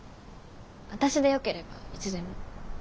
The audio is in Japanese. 私でよければいつでも。